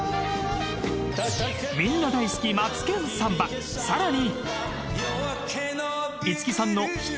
みんな大好き『マツケンサンバ』更に。